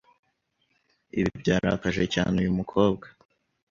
Ibi byarakaje cyane uyu mukobwa